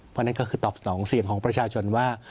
เพราะนั่นก็คือตอบสนองเสียงของประชาชนว่า